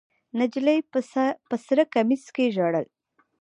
نجلۍ په سره کمیس کې ژړل.